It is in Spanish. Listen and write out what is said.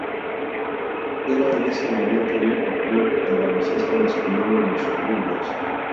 Era en ese momento el único club de baloncesto masculino en los suburbios.